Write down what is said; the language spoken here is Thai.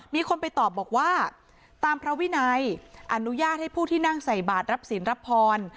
มีคนไปตอบบอกว่าตามพระวินัยอนุญาตให้ผู้ที่นั่งใส่บาทรับศีลรับพร